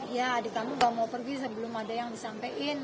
ya adik kamu gak mau pergi sebelum ada yang disampaikan